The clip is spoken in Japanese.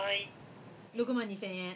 ６万２，０００円？